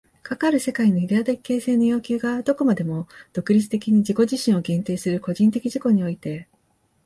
かかる世界のイデヤ的形成の要求がどこまでも独立的に自己自身を限定する個人的自己において、